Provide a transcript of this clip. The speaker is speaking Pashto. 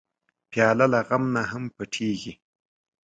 پیاله له غم نه هم پټېږي.